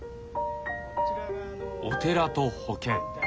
お寺と保険。